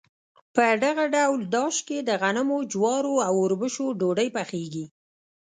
په دغه ډول داش کې د غنمو، جوارو او اوربشو ډوډۍ پخیږي.